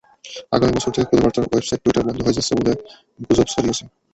আগামী বছর থেকে খুদে বার্তার ওয়েবাসাইট টুইটার বন্ধ হয়ে যাচ্ছে বলে গুজব ছড়িয়েছে।